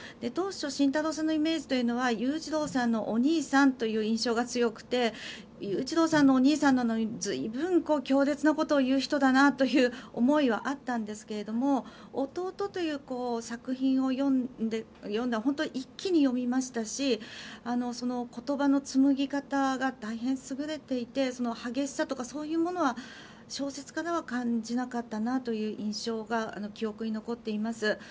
当初、慎太郎さんのイメージというのは裕次郎さんのお兄さんという印象が強くて裕次郎さんのお兄さんなのに随分強烈なことを言う人だなという思いはあったんですけれども「弟」という作品を読んで本当に一気に読みましたし言葉の紡ぎ方が大変優れていて激しさとかそういうものは小説からは感じなかったなという印象が記憶に残っています。